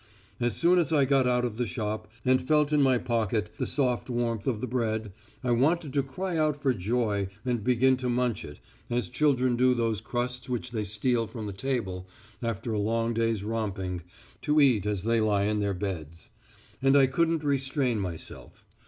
As soon as I got out of the shop and felt in my pocket the soft warmth of the bread, I wanted to cry out for joy and begin to munch it, as children do those crusts which they steal from the table after a long day's romping, to eat as they lie in their beds. And I couldn't restrain myself.